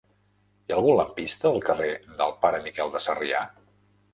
Hi ha algun lampista al carrer del Pare Miquel de Sarrià?